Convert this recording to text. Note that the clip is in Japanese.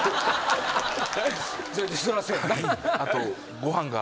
あとご飯が。